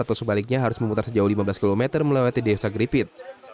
atau sebaliknya harus memutar sejauh lima belas km melewati desa gripit